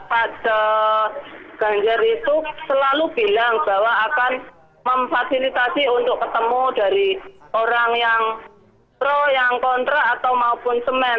pak ganjar itu selalu bilang bahwa akan memfasilitasi untuk ketemu dari orang yang pro yang kontra atau maupun semen